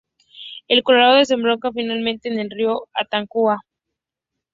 El Colorado desemboca finalmente en el Río Aconcagua.